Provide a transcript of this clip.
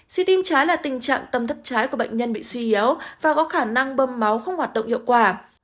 suy tim trái là tình trạng tâm thất trái của bệnh nhân bị suy yếu và có khả năng bơm máu không hoạt động hiệu quả